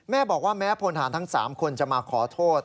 แม่บอกว่าแม้พลฐานทั้ง๓คนจะมาขอโทษ